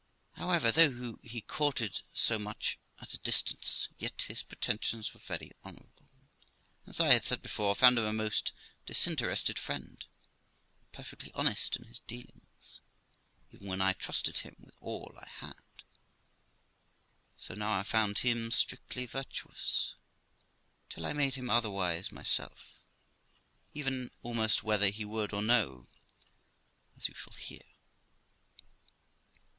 However, though he courted so much at a distance, yet his pretensions were very honourable ; and, as I had before found him a most disinterested THE LIFE OF ROXANA 275 friend, and perfectly honest in his dealings, even when I trusted him with all I had, so now I found him strictly virtuous, till I made him otherwise myself, even almost whether he would or no, as you shall hear.